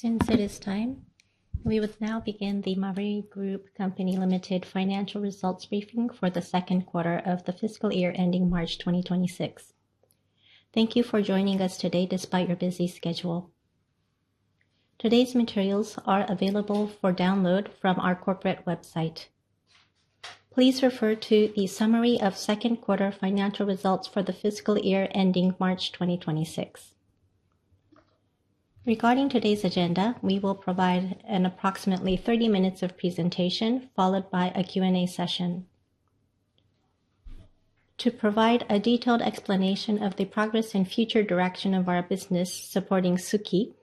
Since it is time, we would now begin the Marui Group Co. financial results briefing for the second quarter of the fiscal year ending March 2026. Thank you for joining us today despite your busy schedule. Today's materials are available for download from our corporate website. Please refer to the summary of second quarter financial results for the fiscal year ending March 2026. Regarding today's agenda, we will provide approximately 30 minutes of presentation followed by a Q&A session. To provide a detailed explanation of the progress and future direction of our business supporting Suki,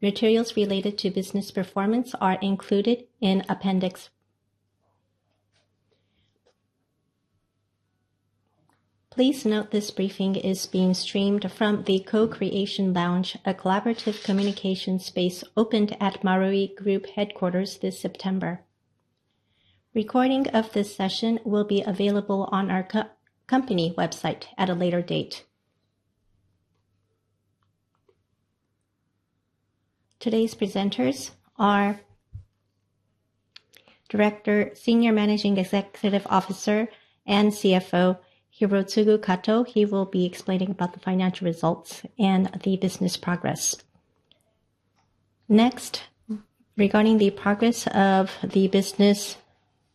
materials related to business performance are included in the appendix. Please note this briefing is being streamed from the Co Creation Lounge, a collaborative communication space opened at MARUI GROUP headquarters this September. Recording of this session will be available on our company website at a later date. Today's presenters are Director, Senior Managing Executive Officer, and CFO Hirotsugu Kato. He will be explaining about the financial results and the business progress. Next, regarding the progress of the business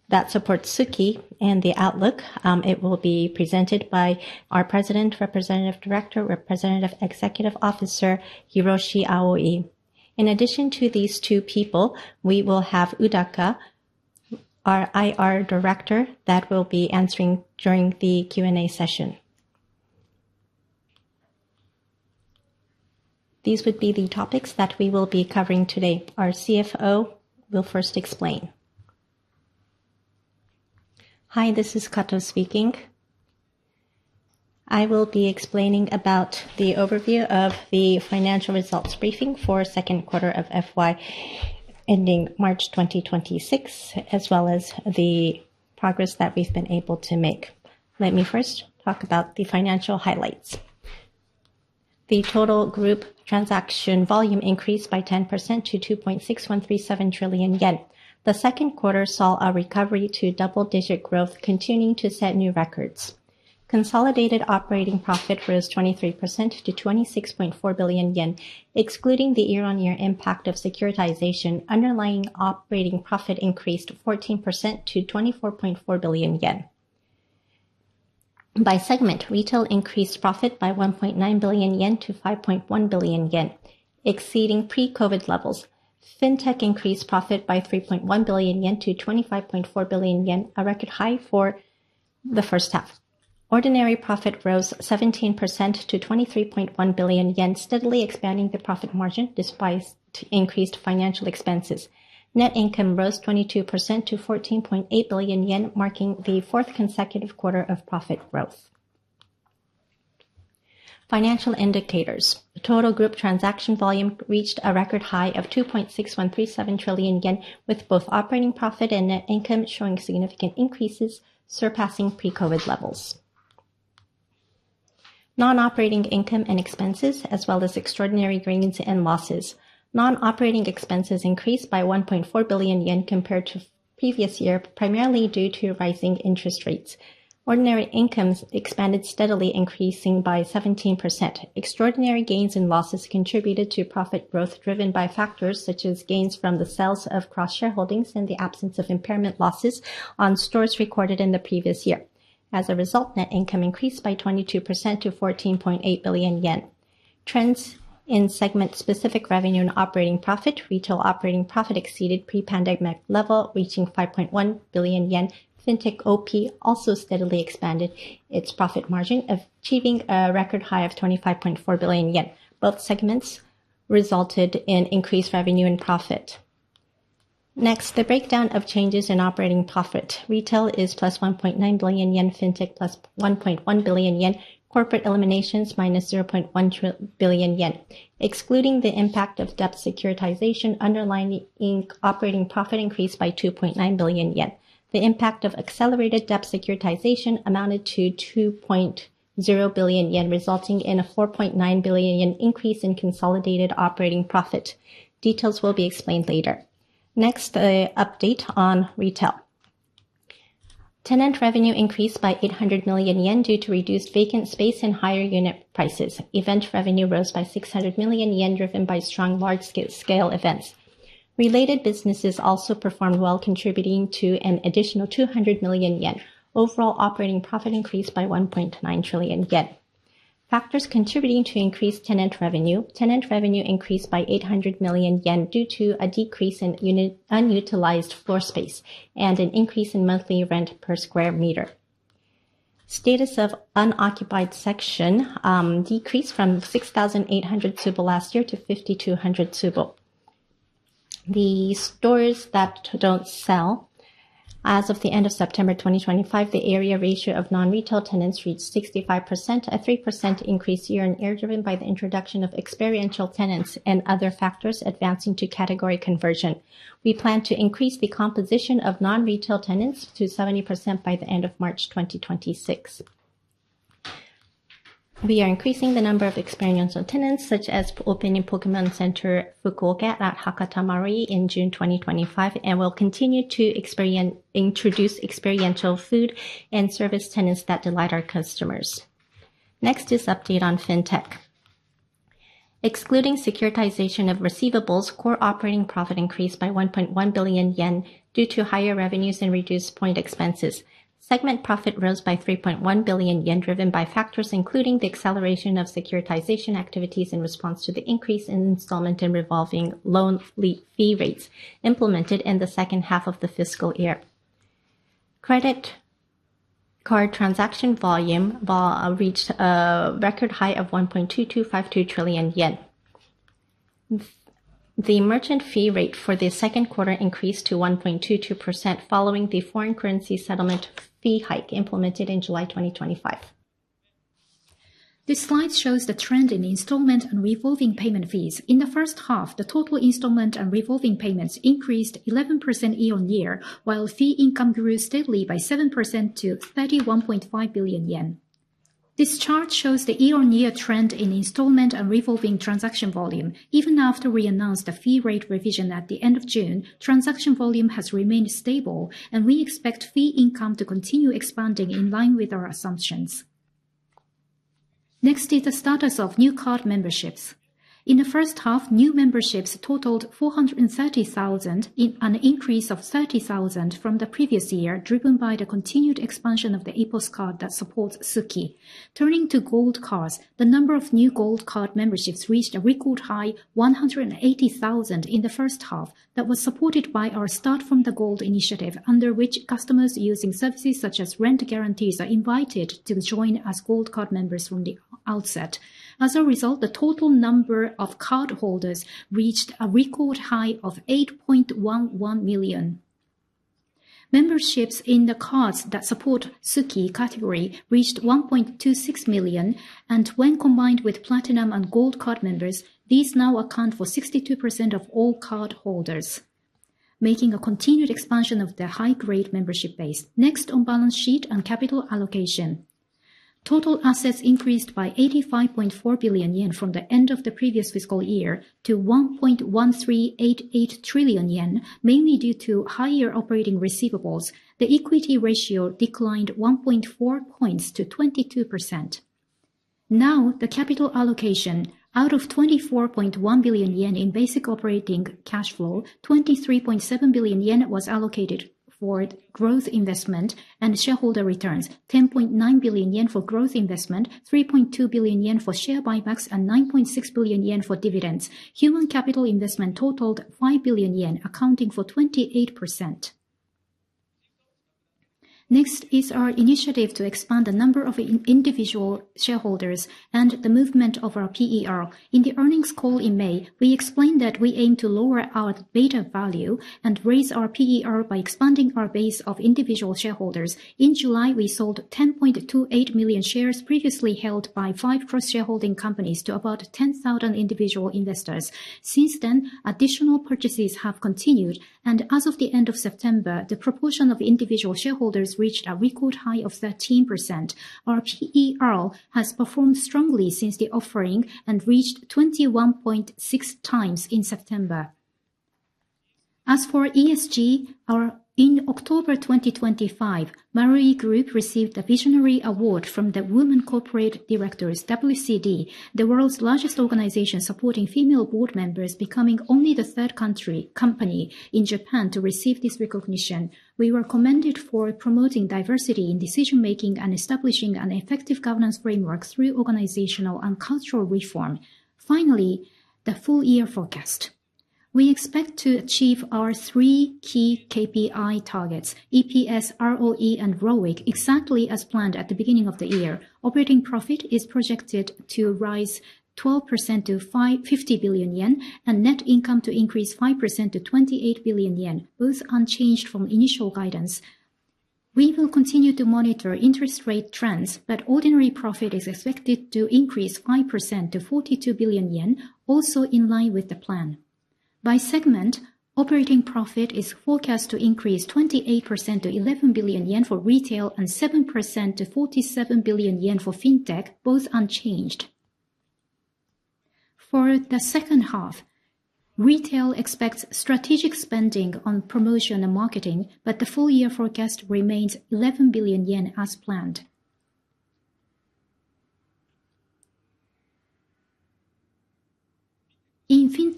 that supports Suki and the outlook, it will be presented by our President, Representative Director, Representative Executive Officer, Hiroshi Aoi. In addition to these two people, we will have Udaka, our IR Director, that will be answering during the Q&A session. These would be the topics that we will be covering today. Our CFO will first explain. Hi, this is Kato speaking. I will be explaining about the overview of the financial results briefing for second quarter of fiscal year ending March 2026, as well as the progress that we've been able to make. Let me first talk about the financial highlights. The total group transaction volume increased by 10% to 2.6137 trillion yen. The second quarter saw a recovery to double-digit growth, continuing to set new records. Consolidated operating profit rose 23% to 26.4 billion yen. Excluding the year-on-year impact of securitization, underlying operating profit increased 14% to 24.4 billion yen. By segment, retail increased profit by 1.9 billion yen to 5.1 billion yen, exceeding pre-COVID levels. Fintech increased profit by 3.1 billion yen to 25.4 billion yen, a record high for the first half. Ordinary profit rose 17% to 23.1 billion yen, steadily expanding the profit margin despite increased financial expenses. Net income rose 22% to 14.8 billion yen, marking the fourth consecutive quarter of profit growth. Financial indicators. Total group transaction volume reached a record high of 2.6137 trillion yen, with both operating profit and net income showing significant increases surpassing pre-COVID levels. Non-operating income and expenses, as well as extraordinary gains and losses. Non-operating expenses increased by 1.4 billion yen compared to previous year, primarily due to rising interest rates. Ordinary incomes expanded steadily, increasing by 17%. Extraordinary gains and losses contributed to profit growth, driven by factors such as gains from the sales of cross-shareholdings and the absence of impairment losses on stores recorded in the previous year. As a result, net income increased by 22% to 14.8 billion yen. Trends in segment-specific revenue and operating profit. Retail operating profit exceeded pre-pandemic level, reaching 5.1 billion yen. Fintech operating profit also steadily expanded its profit margin, achieving a record high of 25.4 billion yen. Both segments resulted in increased revenue and profit. Next, the breakdown of changes in operating profit. Retail is plus 1.9 billion yen, fintech plus 1.1 billion yen, corporate eliminations minus 0.1 billion yen. Excluding the impact of debt securitization, underlying operating profit increased by 2.9 billion yen. The impact of accelerated debt securitization amounted to 2.0 billion yen, resulting in a 4.9 billion yen increase in consolidated operating profit. Details will be explained later. Next, the update on retail. Tenant revenue increased by 800 million yen due to reduced vacant space and higher unit prices. Event revenue rose by 600 million yen, driven by strong large-scale events. Related businesses also performed well, contributing to an additional 200 million yen. Overall operating profit increased by 1.9 billion yen. Factors contributing to increased tenant revenue. Tenant revenue increased by 800 million yen due to a decrease in unutilized floor space and an increase in monthly rent per square meter. Status of unoccupied section decreased from 6,800 tsubo last year to 5,200 tsubo. The stores that do not sell. As of the end of September 2025, the area ratio of non-retail tenants reached 65%, a 3% increase year-on-year, driven by the introduction of experiential tenants and other factors advancing to category conversion. We plan to increase the composition of non-retail tenants to 70% by the end of March 2026. We are increasing the number of experiential tenants, such as opening Pokémon Center Fukuoka at Hakata Marui in June 2025, and will continue to introduce experiential food and service tenants that delight our customers. Next is update on fintech. Excluding securitization of receivables, core operating profit increased by 1.1 billion yen due to higher revenues and reduced point expenses. Segment profit rose by 3.1 billion yen, driven by factors including the acceleration of securitization activities in response to the increase in installment and revolving loan fee rates implemented in the second half of the fiscal year. Credit card transaction volume reached a record high of 1.2252 trillion yen. The merchant fee rate for the second quarter increased to 1.22% following the foreign currency settlement fee hike implemented in July 2025. This slide shows the trend in installment and revolving payment fees. In the first half, the total installment and revolving payments increased 11% year-on-year, while fee income grew steadily by 7% to 31.5 billion yen. This chart shows the year-on-year trend in installment and revolving transaction volume. Even after we announced a fee rate revision at the end of June, transaction volume has remained stable, and we expect fee income to continue expanding in line with our assumptions. Next is the status of new card memberships. In the first half, new memberships totaled 430,000, an increase of 30,000 from the previous year, driven by the continued expansion of the APOS card that supports Suki. Turning to gold cards, the number of new gold card memberships reached a record high, 180,000 in the first half, that was supported by our Start from the Gold initiative, under which customers using services such as rent guarantees are invited to join as gold card members from the outset. As a result, the total number of cardholders reached a record high of 8.11 million. Memberships in the cards that support Suki category reached 1.26 million, and when combined with Platinum and Gold card members, these now account for 62% of all cardholders, making a continued expansion of the high-grade membership base. Next on balance sheet and capital allocation. Total assets increased by 85.4 billion yen from the end of the previous fiscal year to 1.1388 trillion yen, mainly due to higher operating receivables. The equity ratio declined 1.4 percentage points to 22%. Now, the capital allocation. Out of 24.1 billion yen in basic operating cash flow, 23.7 billion yen was allocated for growth investment and shareholder returns, 10.9 billion yen for growth investment, 3.2 billion yen for share buybacks, and 9.6 billion yen for dividends. Human capital investment totaled 5 billion yen, accounting for 28%. Next is our initiative to expand the number of individual shareholders and the movement of our PER. In the earnings call in May, we explained that we aim to lower our beta value and raise our PER by expanding our base of individual shareholders. In July, we sold 10.28 million shares previously held by five cross-shareholding companies to about 10,000 individual investors. Since then, additional purchases have continued, and as of the end of September, the proportion of individual shareholders reached a record high of 13%. Our PER has performed strongly since the offering and reached 21.6 times in September. As for ESG, in October 2025, Marui Group received a visionary award from the Women Corporate Directors, WCD, the world's largest organization supporting female board members, becoming only the third company in Japan to receive this recognition. We were commended for promoting diversity in decision-making and establishing an effective governance framework through organizational and cultural reform. Finally, the full year forecast. We expect to achieve our three key KPI targets, EPS, ROE, and ROIC, exactly as planned at the beginning of the year. Operating profit is projected to rise 12% to 50 billion yen and net income to increase 5% to 28 billion yen, both unchanged from initial guidance. We will continue to monitor interest rate trends, but ordinary profit is expected to increase 5% to 42 billion yen, also in line with the plan. By segment, operating profit is forecast to increase 28% to 11 billion yen for retail and 7% to 47 billion yen for fintech, both unchanged. For the second half, retail expects strategic spending on promotion and marketing, but the full year forecast remains 11 billion yen as planned.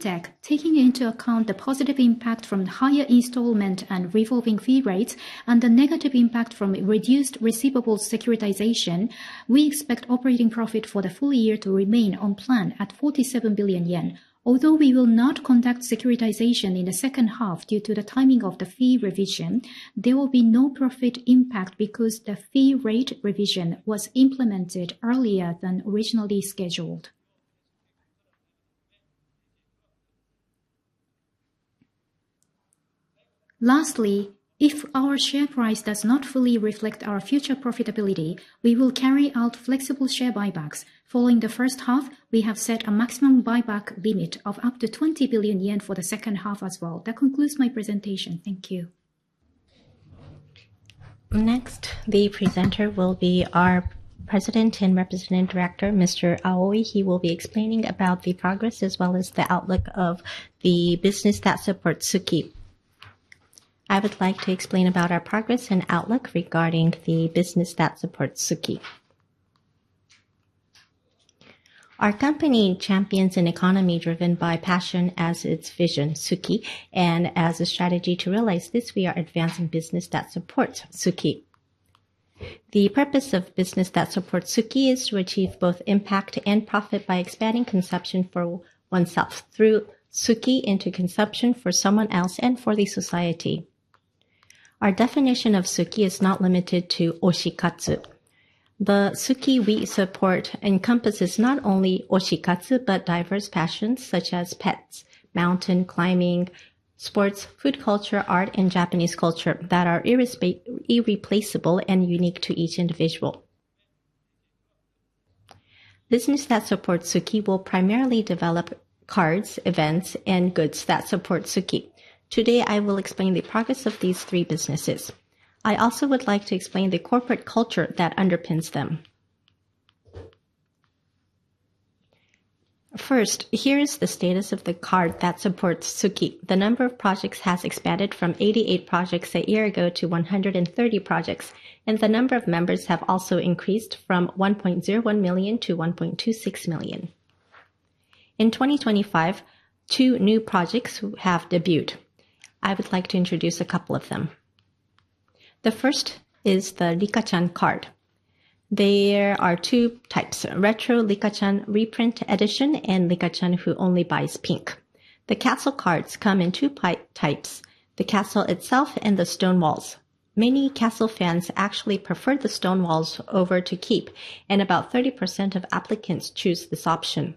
In fintech, taking into account the positive impact from higher installment and revolving fee rates and the negative impact from reduced receivables securitization, we expect operating profit for the full year to remain on plan at 47 billion yen. Although we will not conduct securitization in the second half due to the timing of the fee revision, there will be no profit impact because the fee rate revision was implemented earlier than originally scheduled. Lastly, if our share price does not fully reflect our future profitability, we will carry out flexible share buybacks. Following the first half, we have set a maximum buyback limit of up to 20 billion yen for the second half as well. That concludes my presentation. Thank you. Next, the presenter will be our President and Representative Director, Mr. Aoi. He will be explaining about the progress as well as the outlook of the business that supports Suki. I would like to explain about our progress and outlook regarding the business that supports Suki. Our company champions an economy driven by passion as its vision, Suki, and as a strategy to realize this, we are advancing business that supports Suki. The purpose of business that supports Suki is to achieve both impact and profit by expanding consumption for oneself through Suki into consumption for someone else and for the society. Our definition of Suki is not limited to oshikatsu. The Suki we support encompasses not only oshikatsu but diverse passions such as pets, mountain climbing, sports, food culture, art, and Japanese culture that are irreplaceable and unique to each individual. Business that supports Suki will primarily develop cards, events, and goods that support Suki. Today, I will explain the progress of these three businesses. I also would like to explain the corporate culture that underpins them. First, here is the status of the card that supports Suki. The number of projects has expanded from 88 projects a year ago to 130 projects, and the number of members has also increased from 1.01 million to 1.26 million. In 2025, two new projects have debuted. I would like to introduce a couple of them. The first is the Rikachan card. There are two types: Retro Rikachan reprint edition and Rikachan who only buys pink. The castle cards come in two types: the castle itself and the stone walls. Many castle fans actually prefer the stone walls over the keep, and about 30% of applicants choose this option.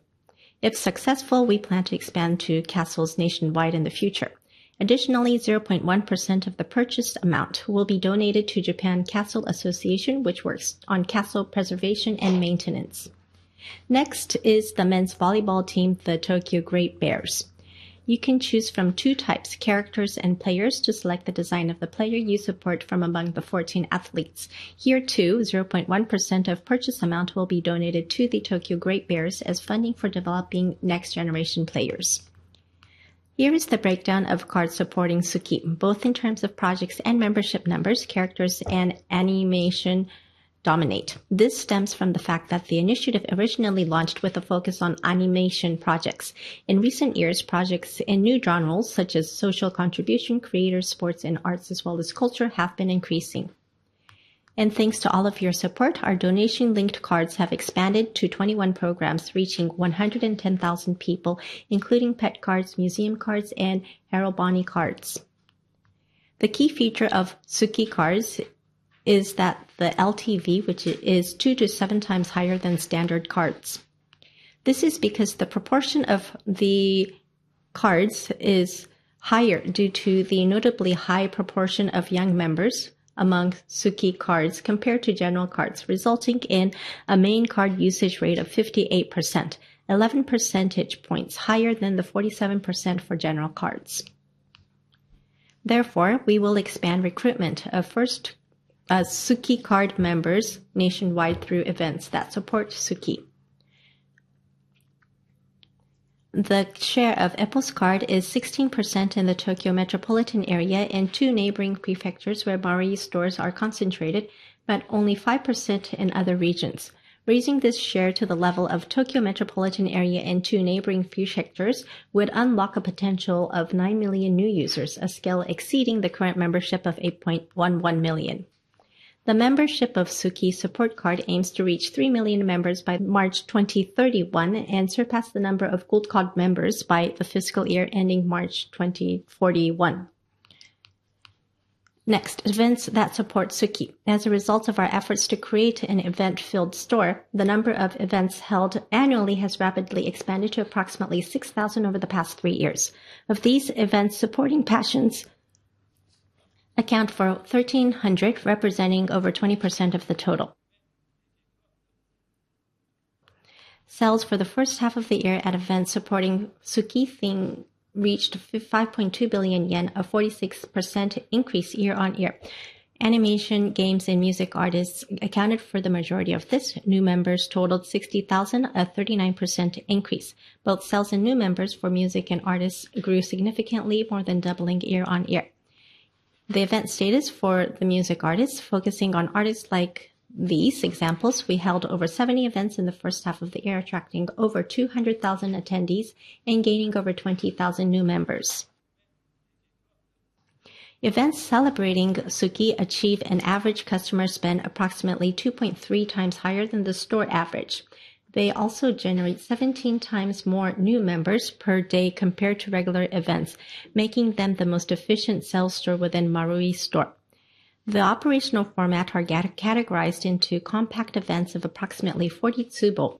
If successful, we plan to expand to castles nationwide in the future. Additionally, 0.1% of the purchased amount will be donated to Japan Castle Association, which works on castle preservation and maintenance. Next is the men's volleyball team, the Tokyo Great Bears. You can choose from two types: characters and players to select the design of the player you support from among the 14 athletes. Here too, 0.1% of the purchase amount will be donated to the Tokyo Great Bears as funding for developing next-generation players. Here is the breakdown of cards supporting Suki, both in terms of projects and membership numbers. Characters and animation dominate. This stems from the fact that the initiative originally launched with a focus on animation projects. In recent years, projects in new genres such as social contribution, creator sports and arts, as well as culture, have been increasing. Thanks to all of your support, our donation-linked cards have expanded to 21 programs, reaching 110,000 people, including pet cards, museum cards, and Herobonnie cards. The key feature of Suki cards is that the LTV, which is 2-7 times higher than standard cards. This is because the proportion of the cards is higher due to the notably high proportion of young members among Suki cards compared to general cards, resulting in a main card usage rate of 58%, 11 percentage points higher than the 47% for general cards. Therefore, we will expand recruitment of first Suki card members nationwide through events that support Suki. The share of APOS card is 16% in the Tokyo metropolitan area and two neighboring prefectures where Marui stores are concentrated, but only 5% in other regions. Raising this share to the level of Tokyo metropolitan area and two neighboring prefectures would unlock a potential of 9 million new users, a scale exceeding the current membership of 8.11 million. The membership of Suki support card aims to reach 3 million members by March 2031 and surpass the number of gold card members by the fiscal year ending March 2041. Next, events that support Suki. As a result of our efforts to create an event-filled store, the number of events held annually has rapidly expanded to approximately 6,000 over the past three years. Of these, events supporting passions account for 1,300, representing over 20% of the total. Sales for the first half of the year at events supporting Suki reached 5.2 billion yen, a 46% increase year-on-year. Animation, games, and music artists accounted for the majority of this; new members totaled 60,000, a 39% increase. Both sales and new members for music and artists grew significantly, more than doubling year-on-year. The event status for the music artists, focusing on artists like these examples, we held over 70 events in the first half of the year, attracting over 200,000 attendees and gaining over 20,000 new members. Events celebrating Suki achieve an average customer spend approximately 2.3 times higher than the store average. They also generate 17 times more new members per day compared to regular events, making them the most efficient sales store within Marui Store. The operational format is categorized into compact events of approximately 40 tsubo,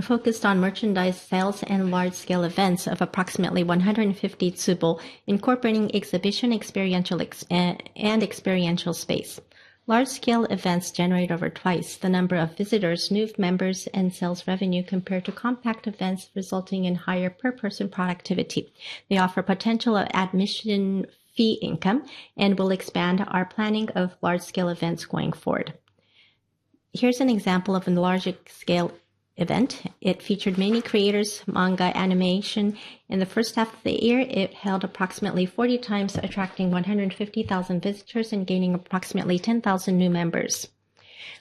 focused on merchandise sales, and large-scale events of approximately 150 tsubo, incorporating exhibition, experiential, and experiential space. Large-scale events generate over twice the number of visitors, new members, and sales revenue compared to compact events, resulting in higher per-person productivity. They offer potential admission fee income and will expand our planning of large-scale events going forward. Here's an example of a large-scale event. It featured many creators, manga, animation. In the first half of the year, it held approximately 40 times, attracting 150,000 visitors and gaining approximately 10,000 new members.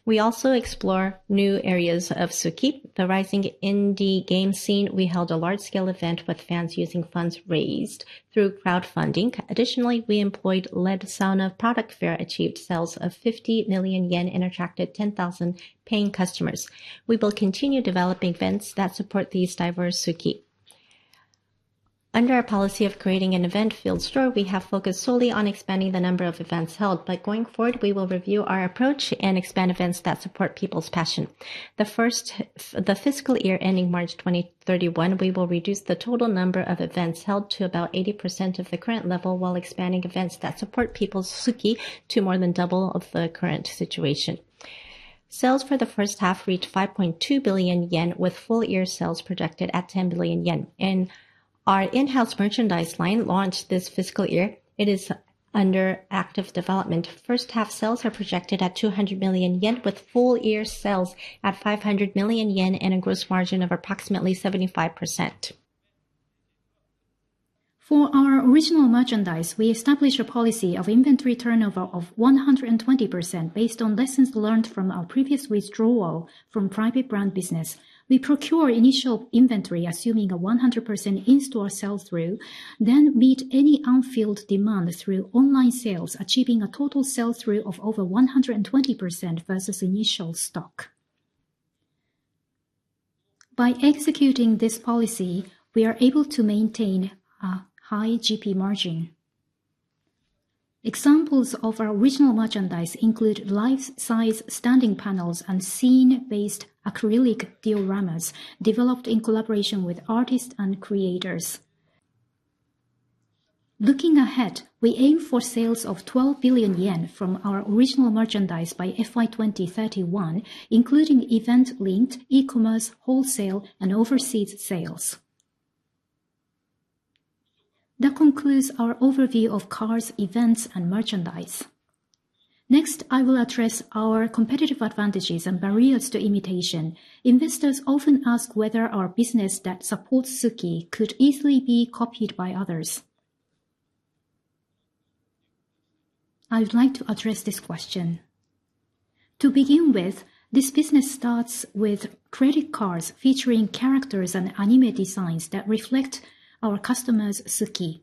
We also explore new areas of Suki. The rising indie game scene, we held a large-scale event with fans using funds raised through crowdfunding. Additionally, we employed LED Sauna product fair, achieved sales of 50 million yen and attracted 10,000 paying customers. We will continue developing events that support these diverse Suki. Under our policy of creating an event-filled store, we have focused solely on expanding the number of events held, but going forward, we will review our approach and expand events that support people's passion. The fiscal year ending March 2031, we will reduce the total number of events held to about 80% of the current level while expanding events that support people's Suki to more than double the current situation. Sales for the first half reached 5.2 billion yen, with full-year sales projected at 10 billion yen. Our in-house merchandise line launched this fiscal year. It is under active development. First half sales are projected at 200 million yen, with full-year sales at 500 million yen and a gross margin of approximately 75%. For our original merchandise, we established a policy of inventory turnover of 120% based on lessons learned from our previous withdrawal from private brand business. We procure initial inventory, assuming a 100% in-store sell-through, then meet any unfilled demand through online sales, achieving a total sell-through of over 120% versus initial stock. By executing this policy, we are able to maintain a High GP margin. Examples of our original merchandise include life-size standing panels and scene-based acrylic dioramas developed in collaboration with artists and creators. Looking ahead, we aim for sales of 12 billion yen from our original merchandise by FY 2031, including event-linked e-commerce, wholesale, and overseas sales. That concludes our overview of cards, events, and merchandise. Next, I will address our competitive advantages and barriers to imitation. Investors often ask whether our business that supports Suki could easily be copied by others. I would like to address this question. To begin with, this business starts with credit cards featuring characters and anime designs that reflect our customers' Suki.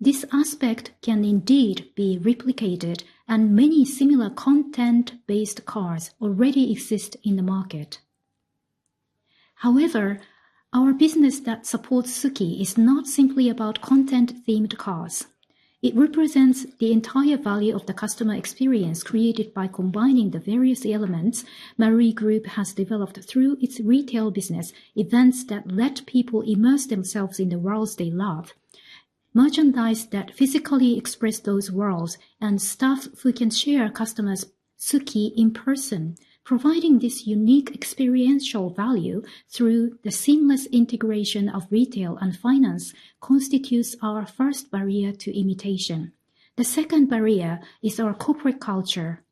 This aspect can indeed be replicated, and many similar content-based cards already exist in the market. However, our business that supports Suki is not simply about content-themed cards. It represents the entire value of the customer experience created by combining the various elements Marui Group has developed through its retail business: events that let people immerse themselves in the worlds they love, merchandise that physically express those worlds, and staff who can share customers' Suki in person. Providing this unique experiential value through the seamless integration of retail and finance constitutes our first barrier to imitation. The second barrier is our corporate culture.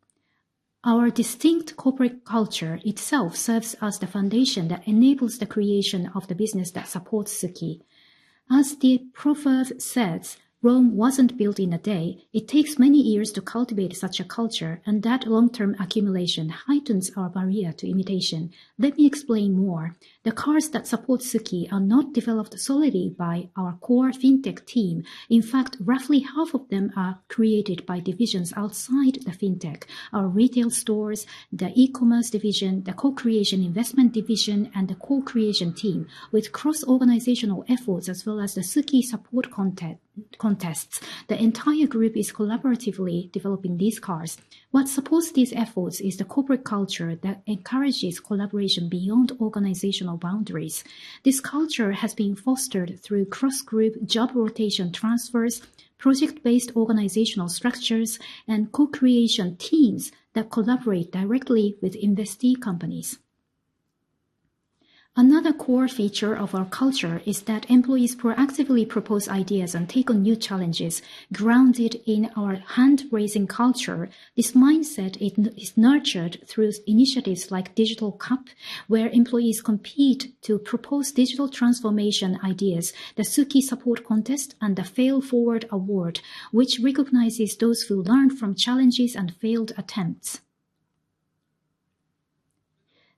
Our distinct corporate culture itself serves as the foundation that enables the creation of the business that supports Suki. As the proverb says, "Rome wasn't built in a day." It takes many years to cultivate such a culture, and that long-term accumulation heightens our barrier to imitation. Let me explain more. The cards that support Suki are not developed solely by our core fintech team. In fact, roughly half of them are created by divisions outside the fintech: our retail stores, the e-commerce division, the co-creation investment division, and the co-creation team. With cross-organizational efforts as well as the Suki support contests, the entire group is collaboratively developing these cards. What supports these efforts is the corporate culture that encourages collaboration beyond organizational boundaries. This culture has been fostered through cross-group job rotation transfers, project-based organizational structures, and co-creation teams that collaborate directly with investee companies. Another core feature of our culture is that employees proactively propose ideas and take on new challenges. Grounded in our hand-raising culture, this mindset is nurtured through initiatives like Digital Cup, where employees compete to propose digital transformation ideas, the Suki support contest, and the Fail Forward Award, which recognizes those who learn from challenges and failed attempts.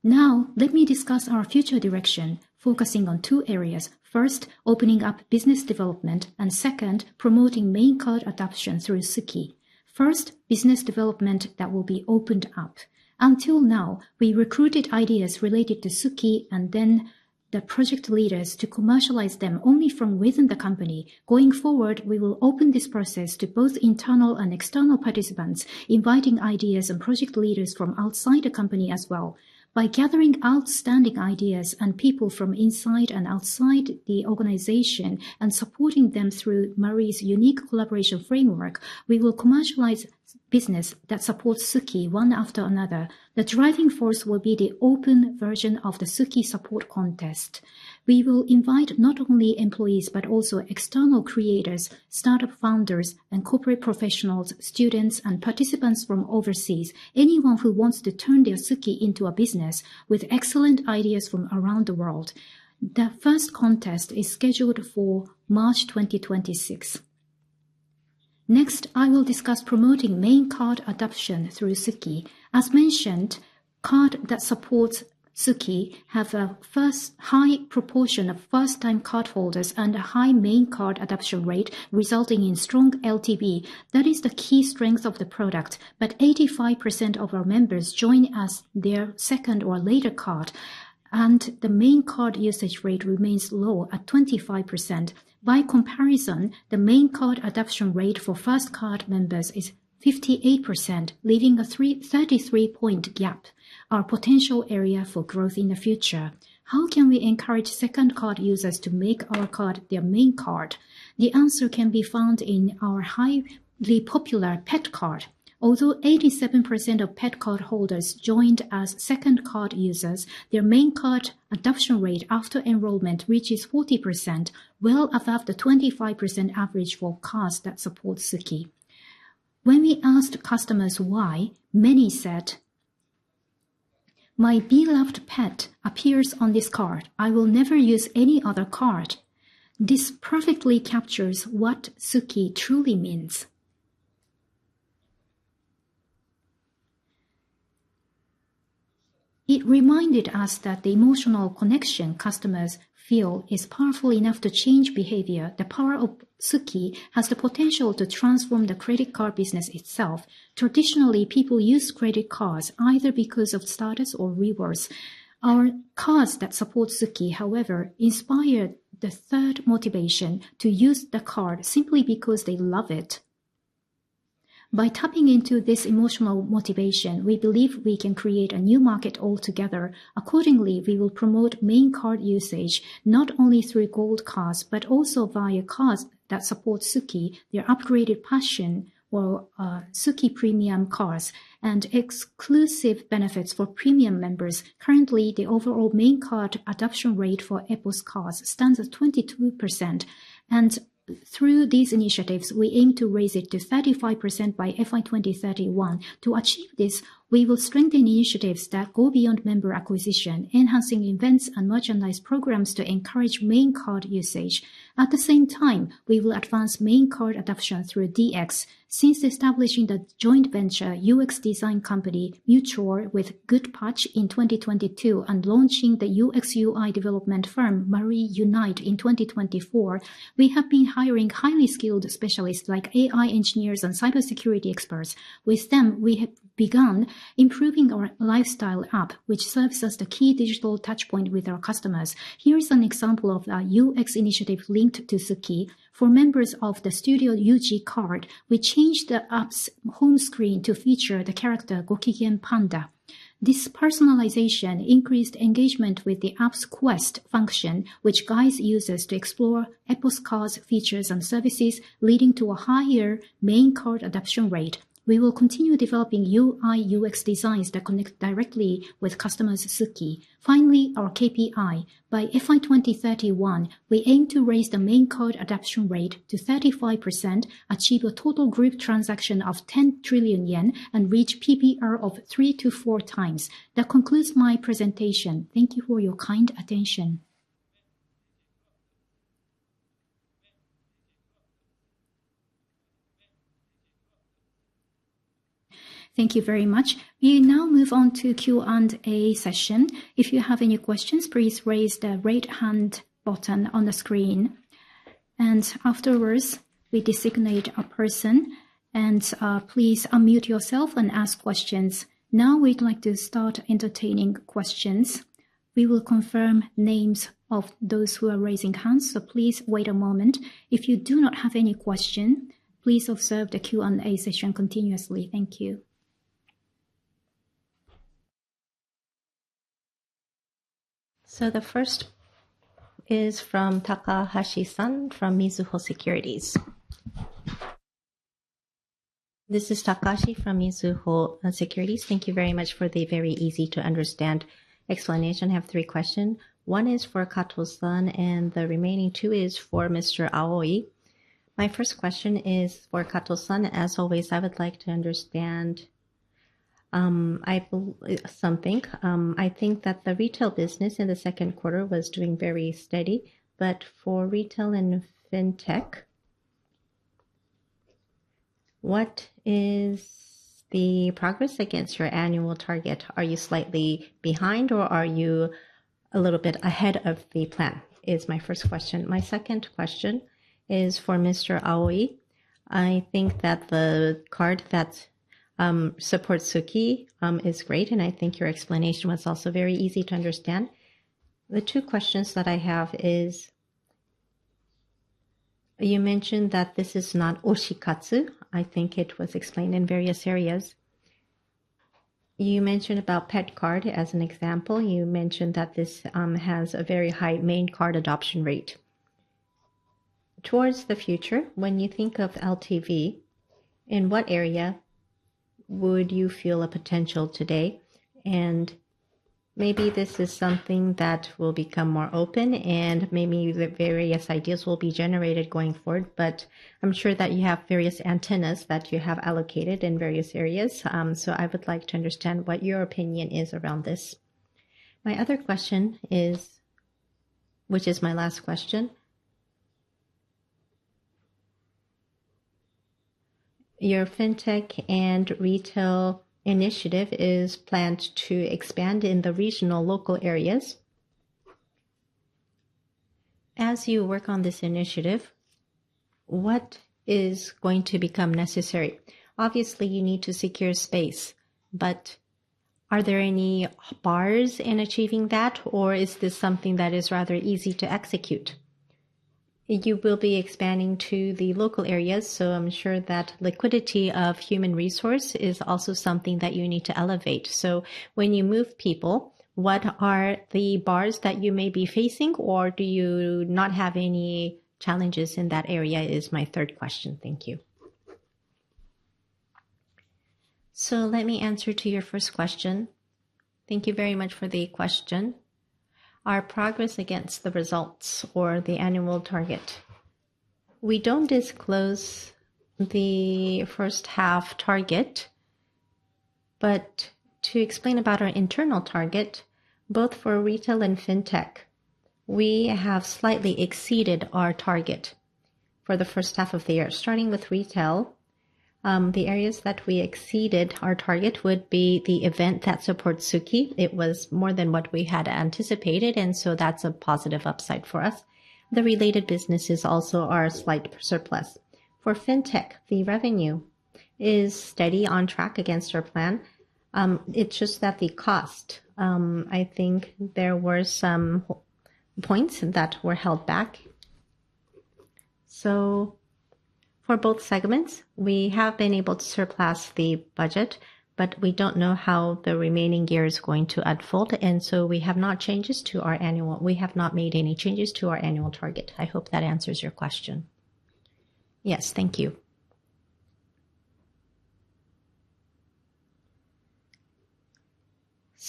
Now, let me discuss our future direction, focusing on two areas: first, opening up business development, and second, promoting main card adoption through Suki. First, business development that will be opened up. Until now, we recruited ideas related to Suki and then the project leaders to commercialize them only from within the company. Going forward, we will open this process to both internal and external participants, inviting ideas and project leaders from outside the company as well. By gathering outstanding ideas and people from inside and outside the organization and supporting them through Marui's unique collaboration framework, we will commercialize business that supports Suki one after another. The driving force will be the open version of the Suki support contest. We will invite not only employees but also external creators, startup founders, and corporate professionals, students, and participants from overseas—anyone who wants to turn their Suki into a business with excellent ideas from around the world. The first contest is scheduled for March 2026. Next, I will discuss promoting main card adoption through Suki. As mentioned, cards that support Suki have a high proportion of first-time cardholders and a high main card adoption rate, resulting in strong LTV. That is the key strength of the product. However, 85% of our members join as their second or later card, and the main card usage rate remains low at 25%. By comparison, the main card adoption rate for first card members is 58%, leaving a 33-point gap. Our potential area for growth in the future: how can we encourage second card users to make our card their main card? The answer can be found in our highly popular pet card. Although 87% of pet card holders joined as second card users, their main card adoption rate after enrollment reaches 40%, well above the 25% average for cards that support Suki. When we asked customers why, many said, "My beloved pet appears on this card. I will never use any other card." This perfectly captures what Suki truly means. It reminded us that the emotional connection customers feel is powerful enough to change behavior. The power of Suki has the potential to transform the credit card business itself. Traditionally, people use credit cards either because of status or rewards. Our cards that support Suki, however, inspire the third motivation to use the card simply because they love it. By tapping into this emotional motivation, we believe we can create a new market altogether. Accordingly, we will promote main card usage not only through gold cards but also via cards that support Suki, their upgraded passion, or Suki premium cards, and exclusive benefits for premium members. Currently, the overall main card adoption rate for APOS cards stands at 22%. Through these initiatives, we aim to raise it to 35% by FY 2031. To achieve this, we will strengthen initiatives that go beyond member acquisition, enhancing events and merchandise programs to encourage main card usage. At the same time, we will advance main card adoption through DX. Since establishing the joint venture UX design company Mutual with Goodpatch in 2022 and launching the UX UI development firm Marui Unite in 2024, we have been hiring highly skilled specialists like AI engineers and cybersecurity experts. With them, we have begun improving our lifestyle app, which serves as the key digital touchpoint with our customers. Here's an example of a UX initiative linked to Suki. For members of the Studio UG card, we changed the app's home screen to feature the character Gokigen Panda. This personalization increased engagement with the app's quest function, which guides users to explore APOS cards, features, and services, leading to a higher main card adoption rate. We will continue developing UI/UX designs that connect directly with customers' Suki. Finally, our KPI. By fiscal year 2031, we aim to raise the main card adoption rate to 35%, achieve a total group transaction of 10 trillion yen, and reach PPR of three to four times. That concludes my presentation. Thank you for your kind attention. Thank you very much. We now move on to Q&A session. If you have any questions, please raise the right-hand button on the screen. Afterwards, we designate a person, and please unmute yourself and ask questions. Now, we'd like to start entertaining questions. We will confirm names of those who are raising hands, so please wait a moment. If you do not have any question, please observe the Q&A session continuously. Thank you. The first is from Takahashi-san from Mizuho Securities. This is Takahashi from Mizuho Securities. Thank you very much for the very easy-to-understand explanation. I have three questions. One is for Kato-san, and the remaining two are for Mr. Aoi. My first question is for Kato-san. As always, I would like to understand something. I think that the retail business in the second quarter was doing very steady, but for retail and fintech, what is the progress against your annual target? Are you slightly behind, or are you a little bit ahead of the plan? Is my first question. My second question is for Mr. Aoi. I think that the card that supports Suki is great, and I think your explanation was also very easy to understand. The two questions that I have is, you mentioned that this is not Oshikatsu. I think it was explained in various areas. You mentioned about pet card as an example. You mentioned that this has a very high main card adoption rate. Towards the future, when you think of LTV, in what area would you feel a potential today? And maybe this is something that will become more open, and maybe the various ideas will be generated going forward, but I'm sure that you have various antennas that you have allocated in various areas. I would like to understand what your opinion is around this. My other question is, which is my last question. Your fintech and retail initiative is planned to expand in the regional local areas. As you work on this initiative, what is going to become necessary? Obviously, you need to secure space, but are there any bars in achieving that, or is this something that is rather easy to execute? You will be expanding to the local areas, so I am sure that liquidity of human resource is also something that you need to elevate. When you move people, what are the bars that you may be facing, or do you not have any challenges in that area? That is my third question. Thank you. Let me answer to your first question. Thank you very much for the question. Our progress against the results or the annual target. We do not disclose the first-half target, but to explain about our internal target, both for retail and fintech, we have slightly exceeded our target for the first half of the year. Starting with retail, the areas that we exceeded our target would be the event that supports Suki. It was more than what we had anticipated, and that is a positive upside for us. The related businesses also are a slight surplus. For fintech, the revenue is steady on track against our plan. It is just that the cost, I think there were some points that were held back. For both segments, we have been able to surplus the budget, but we do not know how the remaining year is going to unfold, and we have not made any changes to our annual target. I hope that answers your question. Yes, thank you.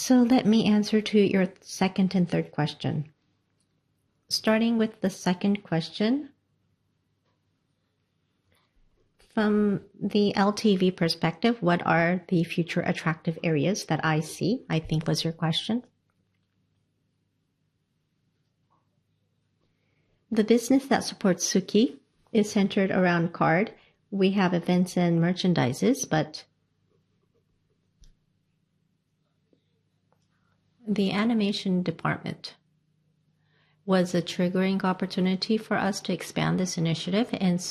Let me answer to your second and third question. Starting with the second question. From the LTV perspective, what are the future attractive areas that I see? I think was your question. The business that supports Suki is centered around card. We have events and merchandises, but the animation department was a triggering opportunity for us to expand this initiative, and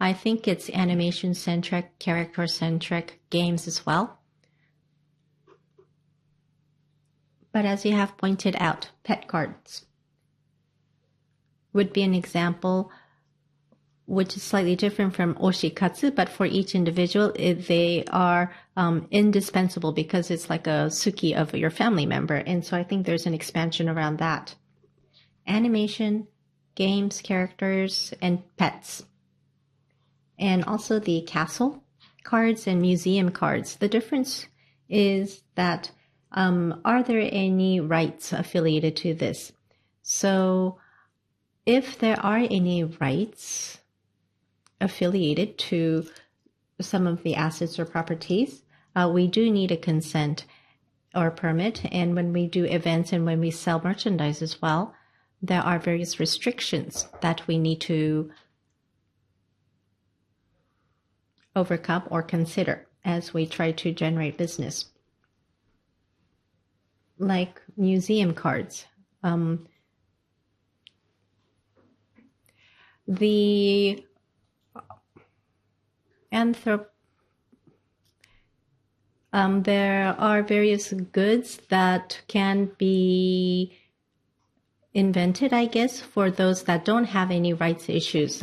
I think it is animation-centric, character-centric games as well. As you have pointed out, pet cards would be an example, which is slightly different from Oshikatsu, but for each individual, they are indispensable because it is like a Suki of your family member. I think there is an expansion around that. Animation, games, characters, and pets. Also the castle cards and museum cards. The difference is that are there any rights affiliated to this? If there are any rights affiliated to some of the assets or properties, we do need a consent or permit. When we do events and when we sell merchandise as well, there are various restrictions that we need to overcome or consider as we try to generate business. Like museum cards. There are various goods that can be invented, I guess, for those that do not have any rights issues,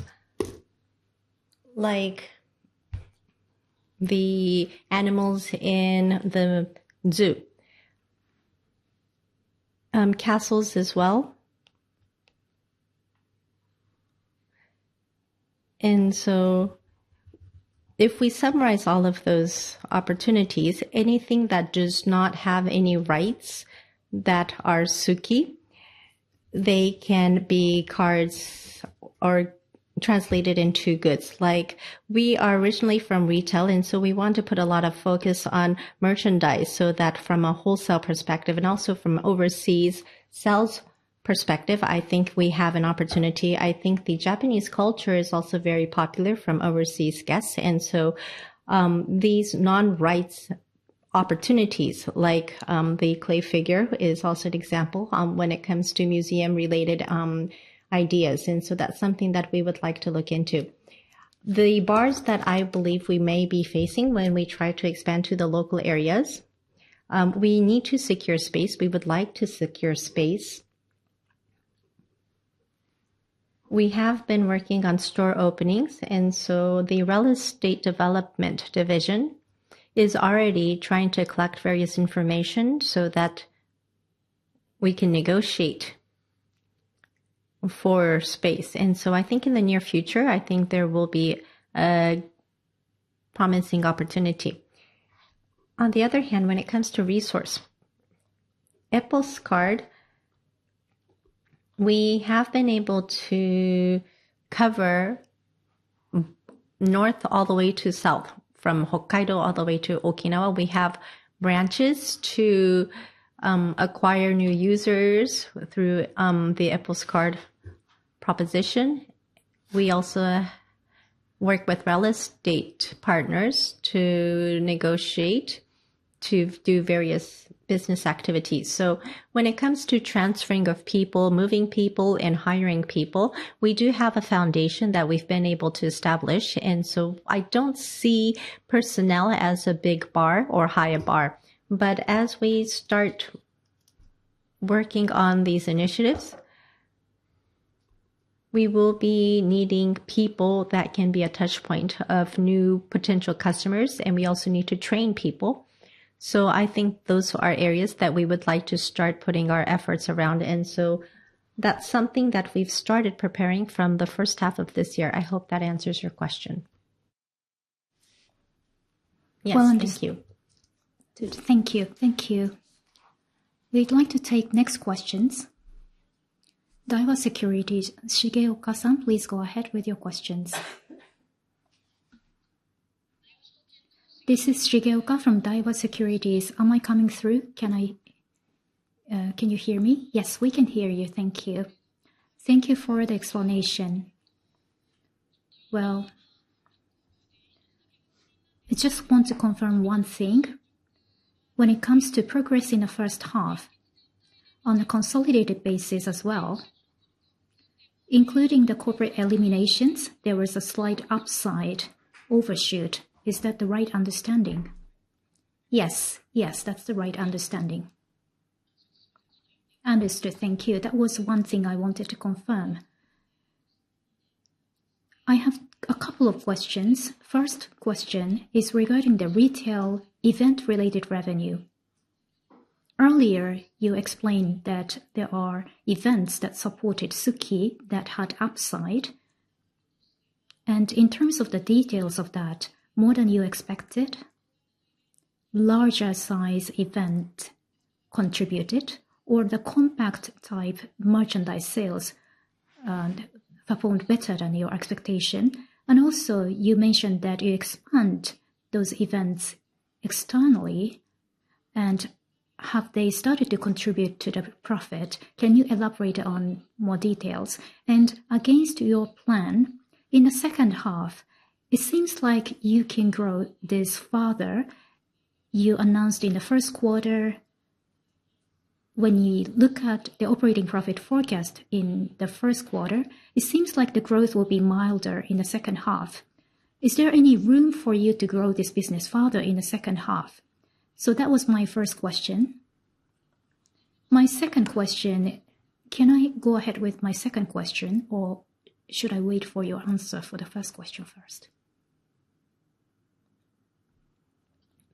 like the animals in the zoo, castles as well. If we summarize all of those opportunities, anything that does not have any rights that are Suki, they can be cards or translated into goods. Like we are originally from retail, and we want to put a lot of focus on merchandise so that from a wholesale perspective and also from overseas sales perspective, I think we have an opportunity. I think the Japanese culture is also very popular from overseas guests. These non-rights opportunities, like the clay figure, are also an example when it comes to museum-related ideas. That is something that we would like to look into. The bars that I believe we may be facing when we try to expand to the local areas, we need to secure space. We would like to secure space. We have been working on store openings, and the real estate development division is already trying to collect various information so that we can negotiate for space. I think in the near future, there will be a promising opportunity. On the other hand, when it comes to resource, APOS card, we have been able to cover north all the way to south from Hokkaido all the way to Okinawa. We have branches to acquire new users through the APOS card proposition. We also work with real estate partners to negotiate to do various business activities. When it comes to transferring of people, moving people, and hiring people, we do have a foundation that we've been able to establish. I don't see personnel as a big bar or high bar. As we start working on these initiatives, we will be needing people that can be a touchpoint of new potential customers, and we also need to train people. I think those are areas that we would like to start putting our efforts around. That's something that we've started preparing from the first half of this year. I hope that answers your question. Yes, thank you. Thank you. Thank you. We'd like to take next questions. Daiwa Securities, Shigeoka-san, please go ahead with your questions. This is Shigeoka from Daiwa Securities. Am I coming through? Can you hear me? Yes, we can hear you. Thank you. Thank you for the explanation. I just want to confirm one thing. When it comes to progress in the first half on a consolidated basis as well, including the corporate eliminations, there was a slight upside overshoot. Is that the right understanding? Yes, yes, that's the right understanding. Understood. Thank you. That was one thing I wanted to confirm. I have a couple of questions. First question is regarding the retail event-related revenue. Earlier, you explained that there are events that supported Suki that had upside. In terms of the details of that, more than you expected, larger-size event contributed, or the compact-type merchandise sales performed better than your expectation. You mentioned that you expand those events externally, and have they started to contribute to the profit? Can you elaborate on more details? Against your plan, in the second half, it seems like you can grow this farther. You announced in the first quarter, when you look at the operating profit forecast in the first quarter, it seems like the growth will be milder in the second half. Is there any room for you to grow this business farther in the second half? That was my first question. My second question, can I go ahead with my second question, or should I wait for your answer for the first question first?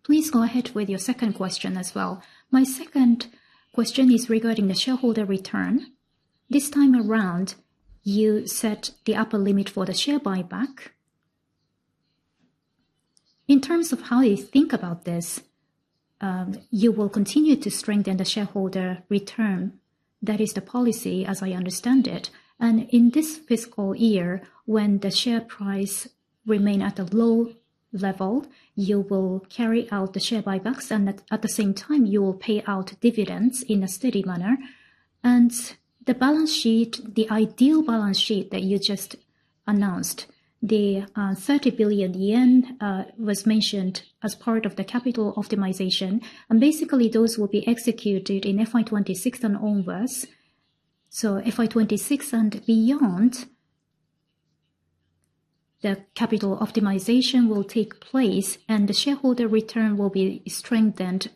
Please go ahead with your second question as well. My second question is regarding the shareholder return. This time around, you set the upper limit for the share buyback. In terms of how you think about this, you will continue to strengthen the shareholder return. That is the policy, as I understand it. In this fiscal year, when the share price remains at a low level, you will carry out the share buybacks, and at the same time, you will pay out dividends in a steady manner. The balance sheet, the ideal balance sheet that you just announced, the 30 billion yen was mentioned as part of the capital optimization. Basically, those will be executed in FI26 and onwards. FI26 and beyond, the capital optimization will take place, and the shareholder return will be strengthened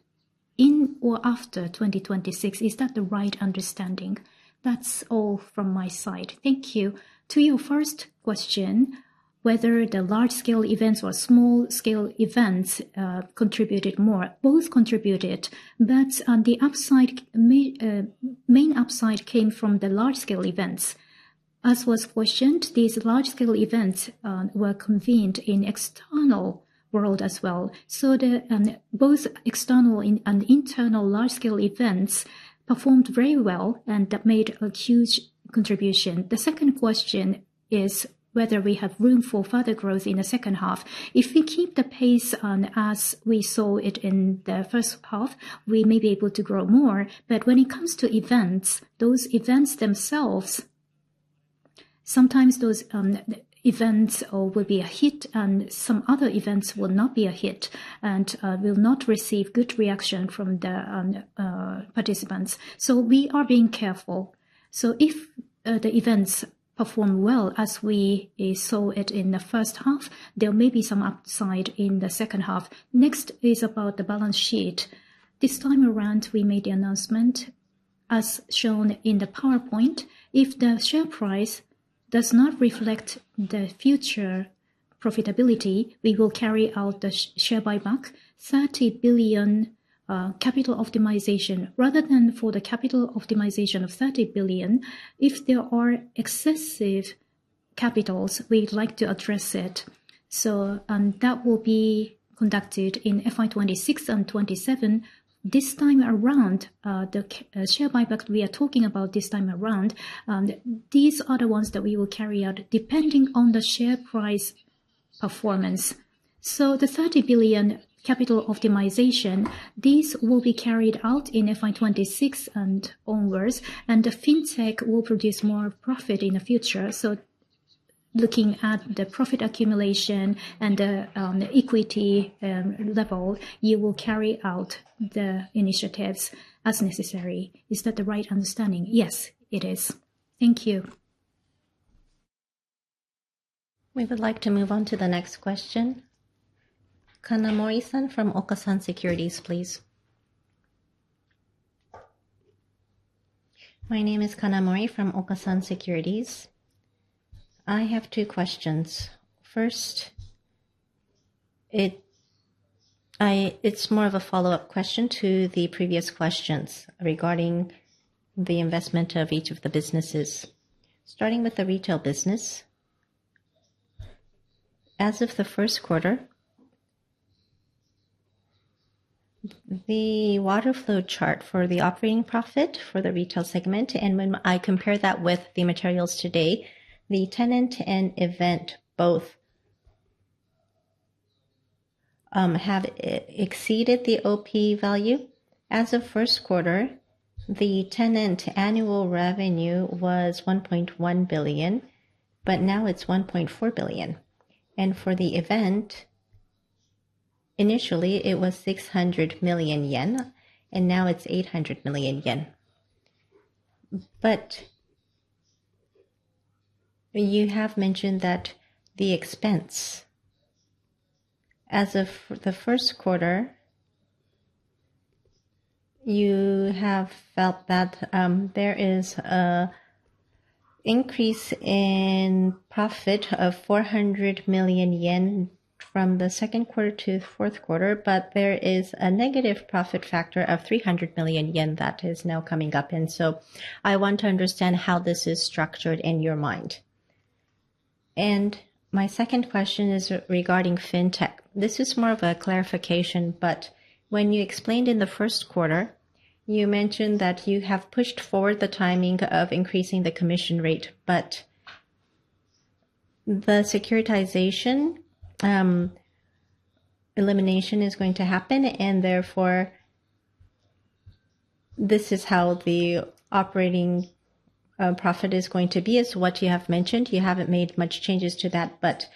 in or after 2026. Is that the right understanding? That is all from my side. Thank you. To your first question, whether the large-scale events or small-scale events contributed more, both contributed, but the main upside came from the large-scale events. As was questioned, these large-scale events were convened in the external world as well. Both external and internal large-scale events performed very well and made a huge contribution. The second question is whether we have room for further growth in the second half. If we keep the pace as we saw it in the first half, we may be able to grow more. When it comes to events, those events themselves, sometimes those events will be a hit, and some other events will not be a hit and will not receive good reaction from the participants. We are being careful. If the events perform well as we saw it in the first half, there may be some upside in the second half. Next is about the balance sheet. This time around, we made the announcement as shown in the PowerPoint. If the share price does not reflect the future profitability, we will carry out the share buyback, 30 billion capital optimization. Rather than for the capital optimization of 30 billion, if there are excessive capitals, we'd like to address it. That will be conducted in FI2026 and 2027. This time around, the share buyback we are talking about this time around, these are the ones that we will carry out depending on the share price performance. The 30 billion capital optimization, these will be carried out in FI2026 and onwards, and the fintech will produce more profit in the future. Looking at the profit accumulation and the equity level, you will carry out the initiatives as necessary. Is that the right understanding? Yes, it is. Thank you. We would like to move on to the next question. Kanamori-san from Okasan Securities, please. My name is Kanamori from Okasan Securities. I have two questions. First, it's more of a follow-up question to the previous questions regarding the investment of each of the businesses. Starting with the retail business, as of the first quarter, the water flow chart for the operating profit for the retail segment, and when I compare that with the materials today, the tenant and event both have exceeded the OP value. As of first quarter, the tenant annual revenue was 1.1 billion, but now it's 1.4 billion. For the event, initially, it was 600 million yen, and now it's 800 million yen. You have mentioned that the expense, as of the first quarter, you have felt that there is an increase in profit of 400 million yen from the second quarter to the fourth quarter, but there is a negative profit factor of 300 million yen that is now coming up. I want to understand how this is structured in your mind. My second question is regarding fintech. This is more of a clarification, but when you explained in the first quarter, you mentioned that you have pushed forward the timing of increasing the commission rate, but the securitization elimination is going to happen, and therefore, this is how the operating profit is going to be, is what you have mentioned. You have not made much changes to that, but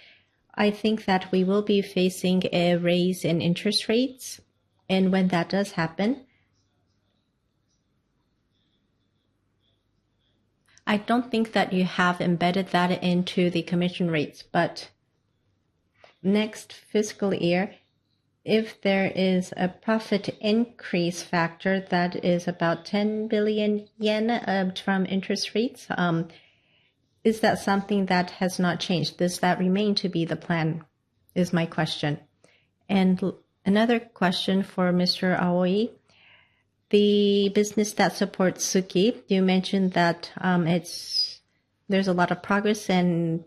I think that we will be facing a raise in interest rates. When that does happen, I do not think that you have embedded that into the commission rates. Next fiscal year, if there is a profit increase factor that is about 10 billion yen from interest rates, is that something that has not changed? Does that remain to be the plan, is my question. Another question for Mr. Aoi. The business that supports Suki, you mentioned that there is a lot of progress in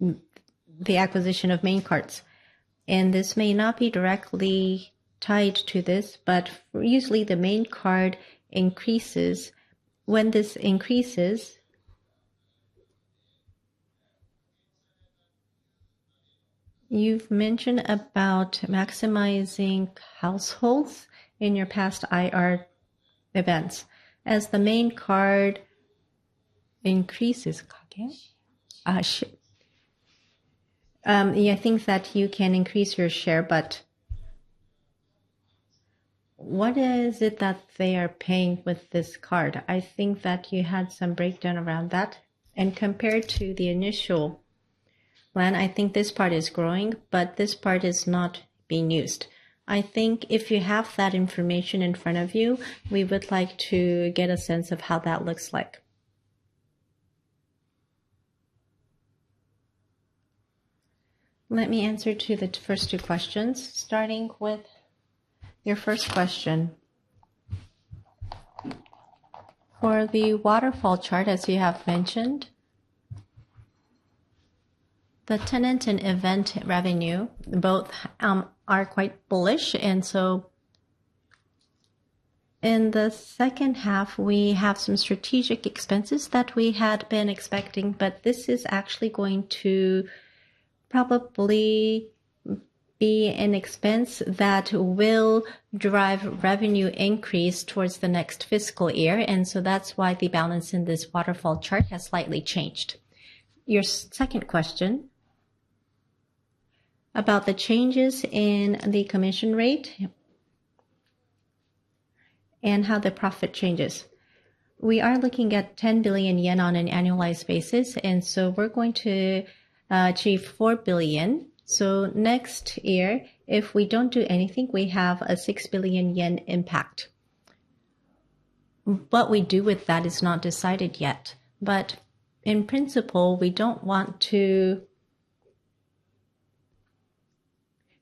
the acquisition of main cards. This may not be directly tied to this, but usually, the main card increases. When this increases, you have mentioned about maximizing households in your past IR events. As the main card increases, I think that you can increase your share, but what is it that they are paying with this card? I think that you had some breakdown around that. Compared to the initial plan, I think this part is growing, but this part is not being used. I think if you have that information in front of you, we would like to get a sense of how that looks like. Let me answer to the first two questions, starting with your first question. For the waterfall chart, as you have mentioned, the tenant and event revenue both are quite bullish. In the second half, we have some strategic expenses that we had been expecting, but this is actually going to probably be an expense that will drive revenue increase towards the next fiscal year. That is why the balance in this waterfall chart has slightly changed. Your second question about the changes in the commission rate and how the profit changes. We are looking at 10 billion yen on an annualized basis, and we are going to achieve 4 billion. Next year, if we do not do anything, we have a 6 billion yen impact. What we do with that is not decided yet. In principle, we do not want to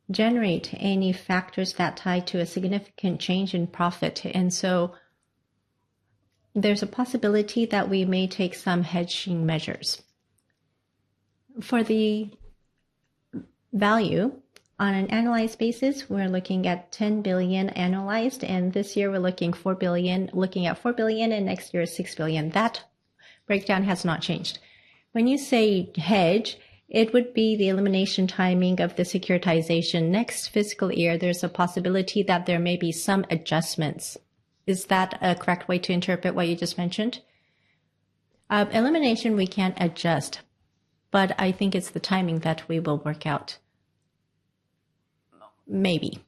generate any factors that tie to a significant change in profit. There is a possibility that we may take some hedging measures. For the value, on an annualized basis, we are looking at 10 billion annualized, and this year, we are looking at 4 billion, and next year, 6 billion. That breakdown has not changed. When you say hedge, it would be the elimination timing of the securitization. Next fiscal year, there is a possibility that there may be some adjustments. Is that a correct way to interpret what you just mentioned? Elimination, we can't adjust, but I think it's the timing that we will work out. Maybe.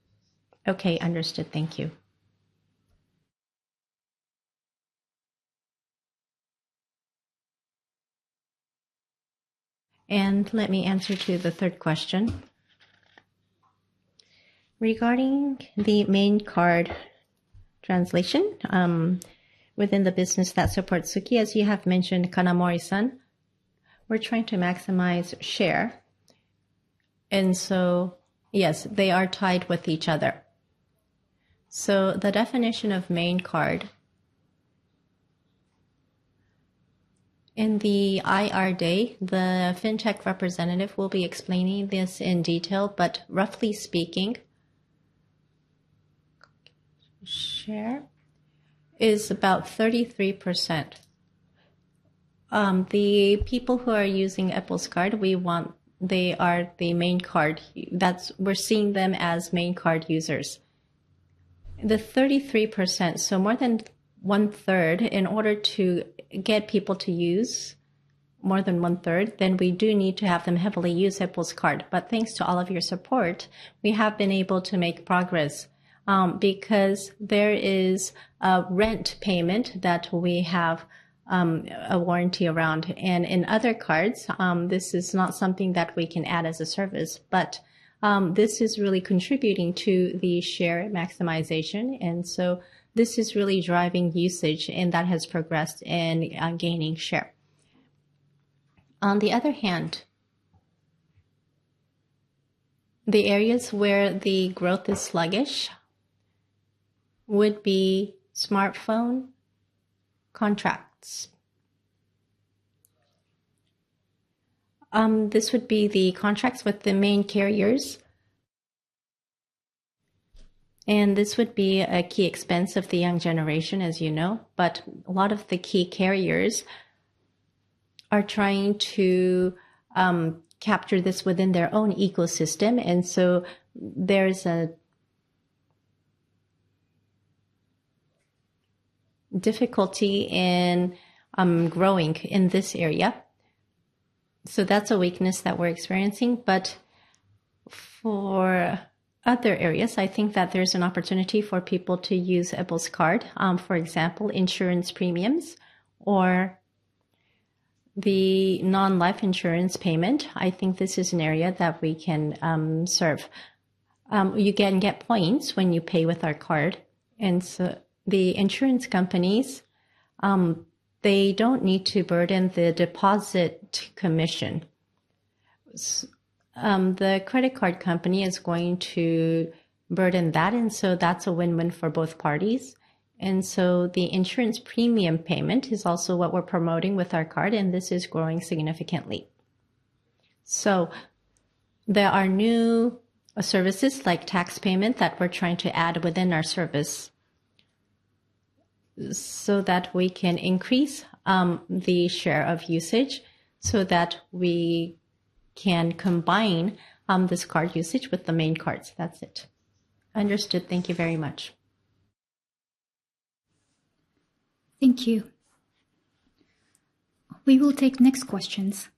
Okay, understood. Thank you. Let me answer to the third question. Regarding the main card translation within the business that supports Suki, as you have mentioned, Kanamori-san, we're trying to maximize share. Yes, they are tied with each other. The definition of main card, in the IR day, the fintech representative will be explaining this in detail, but roughly speaking, share is about 33%. The people who are using APOS card, they are the main card. We're seeing them as main card users. The 33%, so more than one-third, in order to get people to use more than one-third, then we do need to have them heavily use APOS card. Thanks to all of your support, we have been able to make progress because there is a rent payment that we have a warranty around. In other cards, this is not something that we can add as a service, but this is really contributing to the share maximization. This is really driving usage, and that has progressed in gaining share. On the other hand, the areas where the growth is sluggish would be smartphone contracts. This would be the contracts with the main carriers. This would be a key expense of the young generation, as you know, but a lot of the key carriers are trying to capture this within their own ecosystem. There is a difficulty in growing in this area. That is a weakness that we are experiencing. For other areas, I think that there's an opportunity for people to use our card. For example, insurance premiums or the non-life insurance payment. I think this is an area that we can serve. You can get points when you pay with our card. The insurance companies do not need to burden the deposit commission. The credit card company is going to burden that, and that is a win-win for both parties. The insurance premium payment is also what we are promoting with our card, and this is growing significantly. There are new services like tax payment that we are trying to add within our service so that we can increase the share of usage, so that we can combine this card usage with the main cards. That is it. Understood. Thank you very much. Thank you. We will take next questions.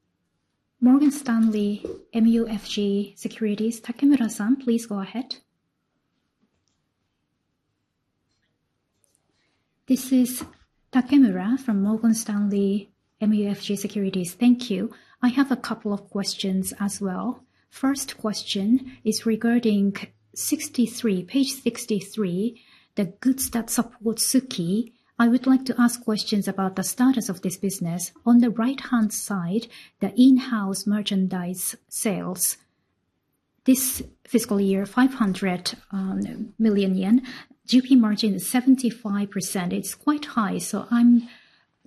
Morgan Stanley MUFG Securities, Takamura-san, please go ahead. This is Takamura from Morgan Stanley MUFG Securities. Thank you. I have a couple of questions as well. First question is regarding page 63, the goods that support Suki. I would like to ask questions about the status of this business. On the right-hand side, the in-house merchandise sales, this fiscal year, 500 million yen, GP margin is 75%. It's quite high, so I'm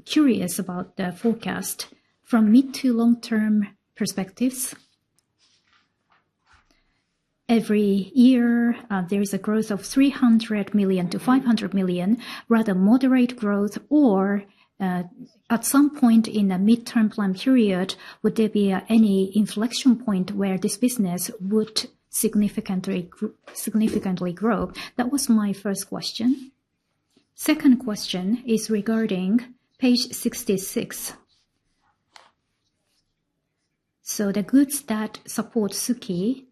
curious about the forecast from mid to long-term perspectives. Every year, there is a growth of 300 million-500 million, rather moderate growth, or at some point in a midterm plan period, would there be any inflection point where this business would significantly grow? That was my first question. Second question is regarding page 66. The goods that support Suki,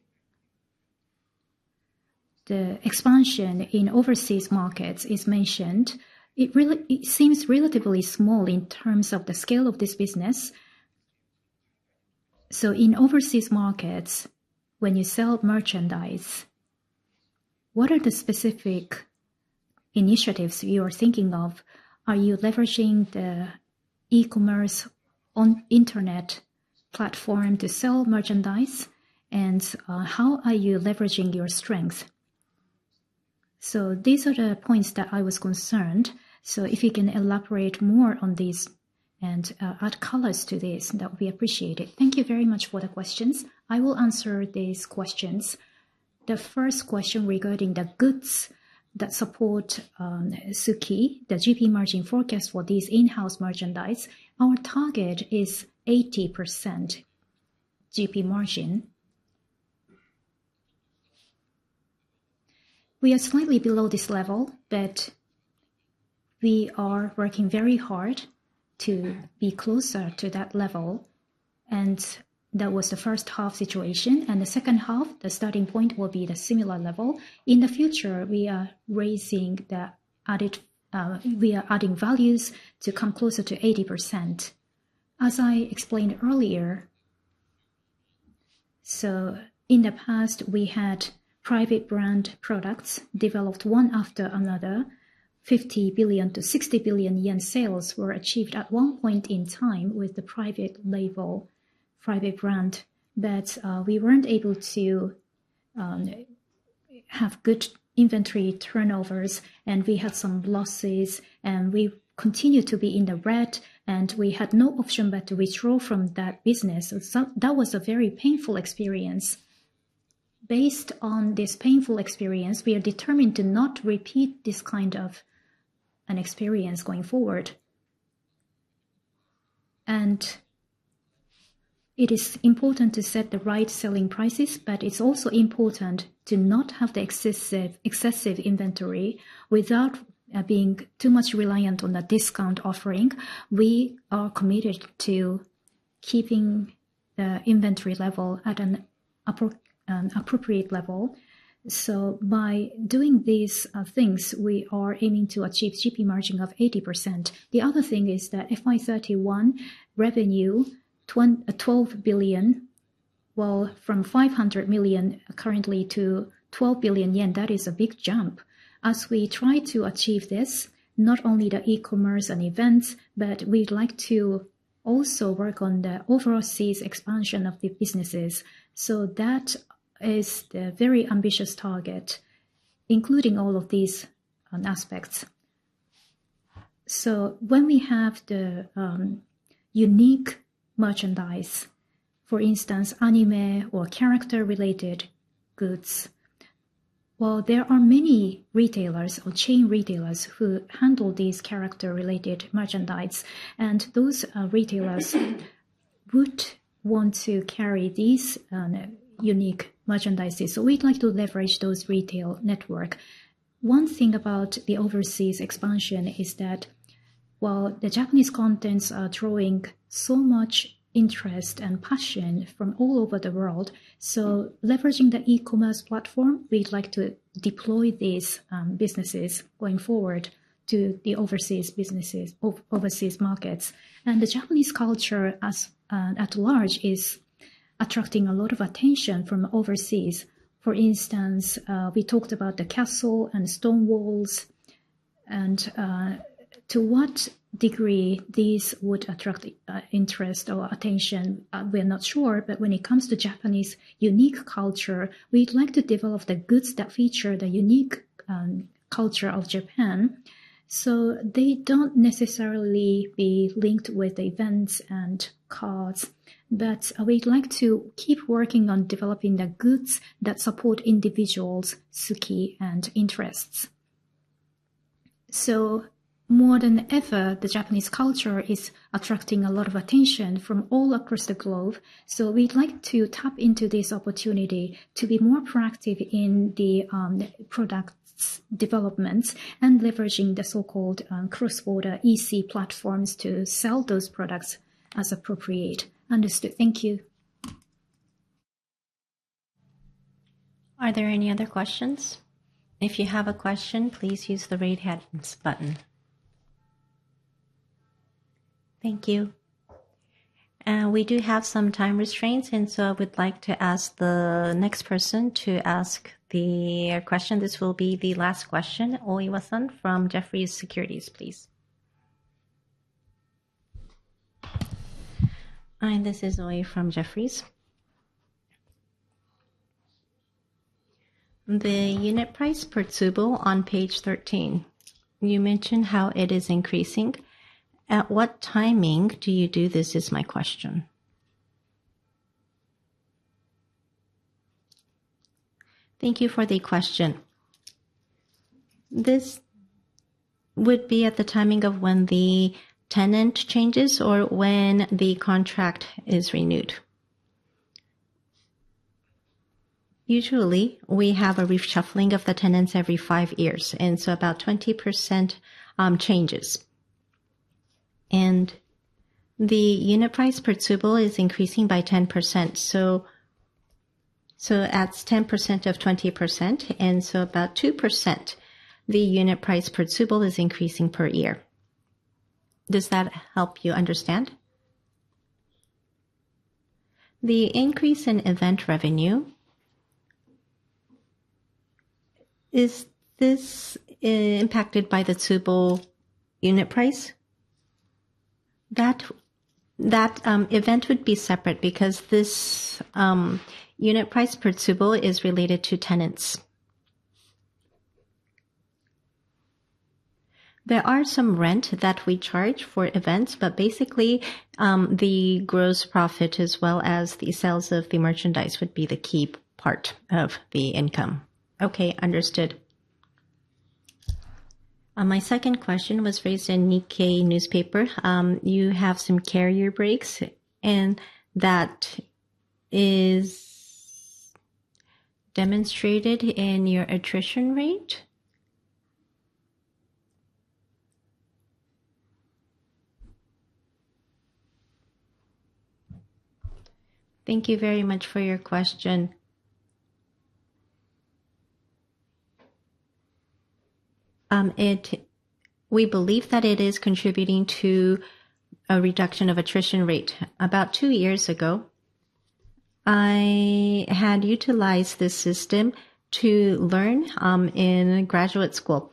the expansion in overseas markets is mentioned. It seems relatively small in terms of the scale of this business. In overseas markets, when you sell merchandise, what are the specific initiatives you are thinking of? Are you leveraging the e-commerce internet platform to sell merchandise, and how are you leveraging your strength? These are the points that I was concerned. If you can elaborate more on these and add colors to this, that would be appreciated. Thank you very much for the questions. I will answer these questions. The first question regarding the goods that support Suki, the GP margin forecast for these in-house merchandise, our target is 80% GP margin. We are slightly below this level, but we are working very hard to be closer to that level. That was the first half situation. The second half, the starting point will be the similar level. In the future, we are raising the added, we are adding values to come closer to 80%. As I explained earlier, in the past, we had private brand products developed one after another. 50 billion-60 billion yen sales were achieved at one point in time with the private label, private brand, but we were not able to have good inventory turnovers, and we had some losses, and we continued to be in the red, and we had no option but to withdraw from that business. That was a very painful experience. Based on this painful experience, we are determined to not repeat this kind of an experience going forward. It is important to set the right selling prices, but it is also important to not have the excessive inventory without being too much reliant on the discount offering. We are committed to keeping the inventory level at an appropriate level. By doing these things, we are aiming to achieve GP margin of 80%. The other thing is that FI31 revenue, 12 billion, from 500 million currently to 12 billion yen, that is a big jump. As we try to achieve this, not only the e-commerce and events, we would like to also work on the overseas expansion of the businesses. That is a very ambitious target, including all of these aspects. When we have the unique merchandise, for instance, anime or character-related goods, there are many retailers or chain retailers who handle these character-related merchandise. Those retailers would want to carry these unique merchandises. We would like to leverage those retail networks. One thing about the overseas expansion is that, the Japanese contents are drawing so much interest and passion from all over the world. Leveraging the e-commerce platform, we'd like to deploy these businesses going forward to the overseas markets. The Japanese culture at large is attracting a lot of attention from overseas. For instance, we talked about the castle and stone walls. To what degree these would attract interest or attention, we're not sure. When it comes to Japanese unique culture, we'd like to develop the goods that feature the unique culture of Japan. They don't necessarily be linked with events and cards, but we'd like to keep working on developing the goods that support individuals, Suki, and interests. More than ever, the Japanese culture is attracting a lot of attention from all across the globe. We'd like to tap into this opportunity to be more proactive in the product developments and leveraging the so-called cross-border EC platforms to sell those products as appropriate. Understood. Thank you. Are there any other questions? If you have a question, please use the raise hands button. Thank you. We do have some time restraints, and I would like to ask the next person to ask the question. This will be the last question. Oi from Jefferies Securities, please. Hi, this is Oi from Jefferies. The unit price per table on page 13, you mentioned how it is increasing. At what timing do you do this? Is my question. Thank you for the question. This would be at the timing of when the tenant changes or when the contract is renewed. Usually, we have a reshuffling of the tenants every five years, and about 20% changes. The unit price per table is increasing by 10%. That is 10% of 20%, and so about 2%, the unit price per table is increasing per year. Does that help you understand? The increase in event revenue, is this impacted by the table unit price? That event would be separate because this unit price per table is related to tenants. There is some rent that we charge for events, but basically, the gross profit as well as the sales of the merchandise would be the key part of the income. Okay, understood. My second question was raised in Nikkei newspaper. You have some carrier breaks, and that is demonstrated in your attrition rate. Thank you very much for your question. We believe that it is contributing to a reduction of attrition rate. About two years ago, I had utilized this system to learn in graduate school,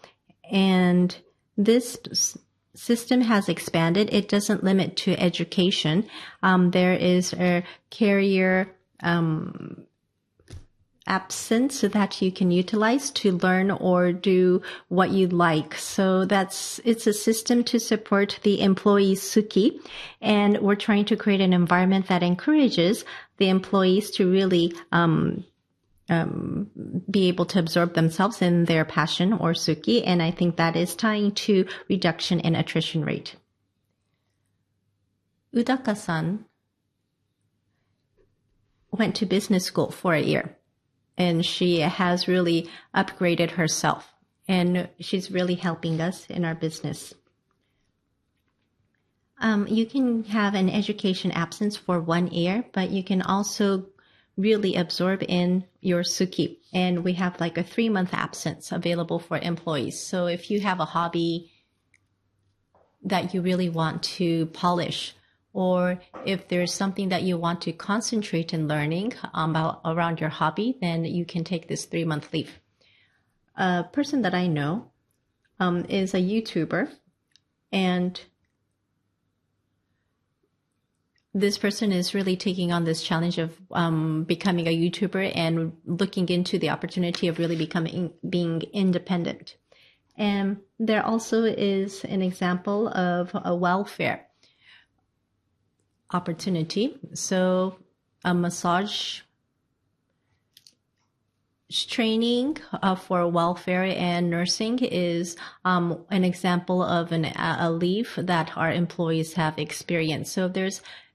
and this system has expanded. It does not limit to education. There is a carrier absence that you can utilize to learn or do what you like. It is a system to support the employee Suki, and we are trying to create an environment that encourages the employees to really be able to absorb themselves in their passion or Suki, and I think that is tying to reduction in attrition rate. Udaka-san went to business school for a year, and she has really upgraded herself, and she is really helping us in our business. You can have an education absence for one year, but you can also really absorb in your Suki, and we have like a three-month absence available for employees. If you have a hobby that you really want to polish, or if there is something that you want to concentrate on learning around your hobby, then you can take this three-month leave. A person that I know is a YouTuber, and this person is really taking on this challenge of becoming a YouTuber and looking into the opportunity of really being independent. There also is an example of a welfare opportunity. A massage training for welfare and nursing is an example of a leave that our employees have experienced. There are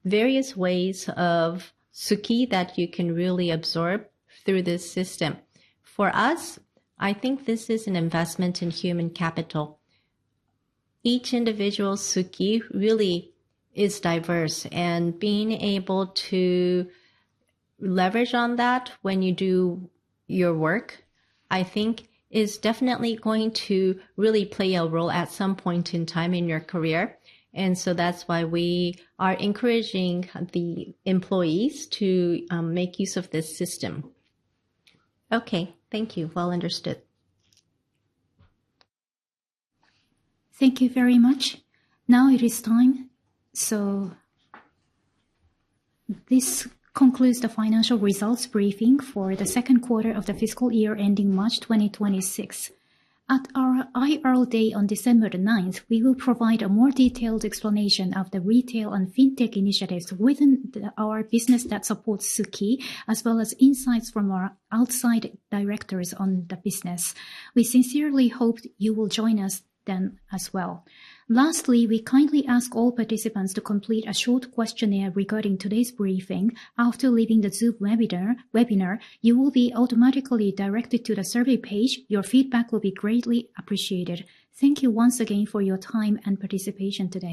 various ways of Suki that you can really absorb through this system. For us, I think this is an investment in human capital. Each individual Suki really is diverse, and being able to leverage on that when you do your work, I think, is definitely going to really play a role at some point in time in your career. That is why we are encouraging the employees to make use of this system. Okay, thank you. Understood. Thank you very much. Now it is time. This concludes the financial results briefing for the second quarter of the fiscal year ending March 2026. At our IRL day on December 9, we will provide a more detailed explanation of the retail and fintech initiatives within our business that supports Suki, as well as insights from our outside directors on the business. We sincerely hope you will join us then as well. Lastly, we kindly ask all participants to complete a short questionnaire regarding today's briefing. After leaving the Zoom webinar, you will be automatically directed to the survey page. Your feedback will be greatly appreciated. Thank you once again for your time and participation today.